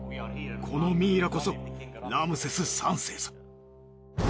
このミイラこそラムセス３世さ。